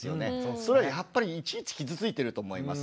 それはやっぱりいちいち傷ついてると思います。